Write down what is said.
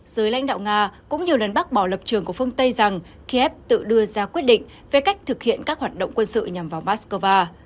dưới lãnh đạo nga cũng nhiều lần bác bảo lập trường của phương tây rằng kiev tự đưa ra quyết định về cách thực hiện các hoạt động quân sự nhằm vào mắc cơ va